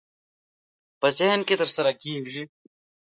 په ذهن کې ترسره کېږي.